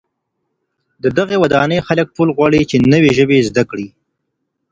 د دغي ودانۍ خلک ټول غواړي چي نوې ژبې زده کړي.